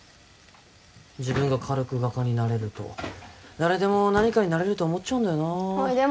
自分が軽く画家になれると誰でも何かになれると思っちゃうんだよなほいでも